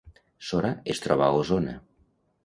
Sora es troba a Osona